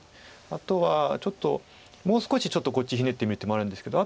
あとはちょっともう少しちょっとこっちひねってみる手もあるんですけど。